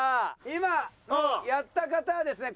今やった方はですね